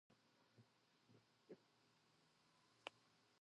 夜になると虫の声が聞こえます。